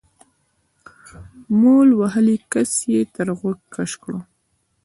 مول وهلي کس يې تر غوږ کش کړ.